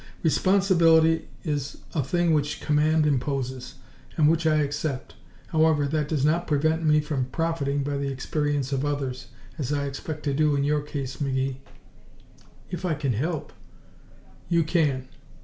"Responsibility is a thing which command imposes and which I accept. However, that does not prevent me from profiting by the experience of others, as I expect to do in your case, McGee." "If I can help " "You can.